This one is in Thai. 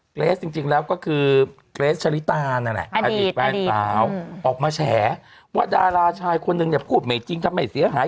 เกรสจริงแล้วก็คือเกรสชะลิตานั่นแหละอดีตแฟนสาวออกมาแฉว่าดาราชายคนนึงเนี่ยพูดไม่จริงทำให้เสียหาย